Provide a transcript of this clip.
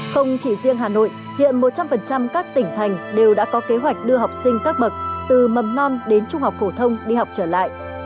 không chỉ riêng hà nội hiện một trăm linh các tỉnh thành đều đã có kế hoạch đưa học sinh các bậc từ mầm non đến trung học phổ thông đi học trở lại